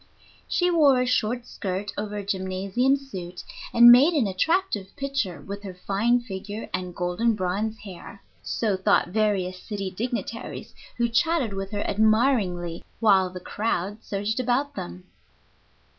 She wore a short skirt over a gymnasium suit, and made an attractive picture with her fine figure and golden bronze hair. So thought various city dignitaries, who chatted with her admiringly while the crowd surged about them.